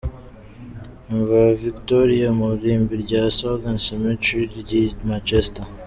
Imva ya Victoria mu irimbi rya Southern Cemetery ry’i Manchester.